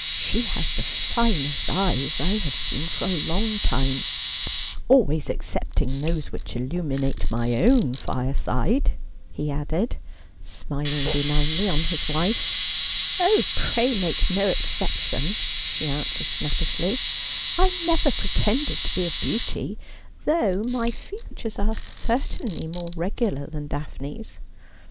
She has the finest eyes I have seen for a long time — always excepting those which illuminate my own fireside,' he added, smiling benignly on his wife. ' Oh, pray make no exception,' she answered snappishly. ' I never pretended to be a beauty ; though my features are cer tainly more regular than Daphne's.